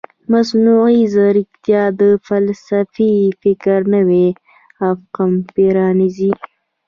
مصنوعي ځیرکتیا د فلسفي فکر نوی افق پرانیزي.